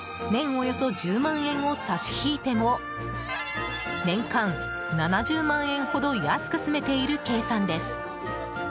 およそ１０万円を差し引いても年間７０万円ほど安く住めている計算です。